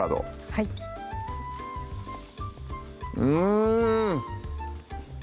はいうん！